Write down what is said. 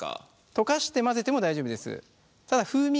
溶かして混ぜても大丈夫です。